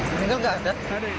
meninggal nggak ada